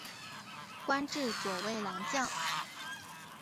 官至左卫郎将。